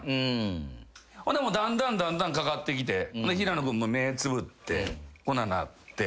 だんだんだんだんかかってきて平野君も目つぶってこんなんなって。